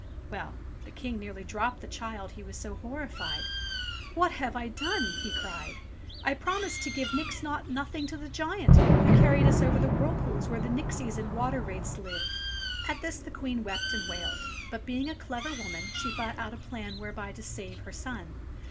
Well ! the King nearly dropped the child, he was so horrified. "What have I done?" he cried. "I promised to give nix naught nothing to the giant who carried us over the whirlpools where the nixies and water wraiths live." At this the Queen wept and wailed ; but being a clever woman she thought out a plan whereby to save her son.